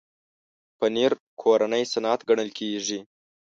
پنېر کورنی صنعت ګڼل کېږي.